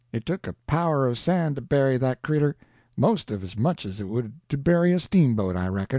It took a power of sand to bury that cretur; most as much as it would to bury a steamboat, I reckon.